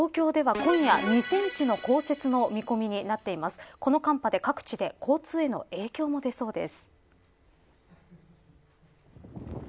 この寒波で各地で交通への影響も出そうです。